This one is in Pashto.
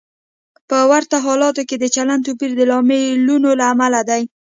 په ورته حالتونو کې د چلند توپیر د لاملونو له امله دی.